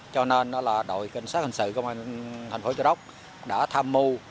cho nên đội cảnh sát hình sự của thành phố châu đốc đã tham mưu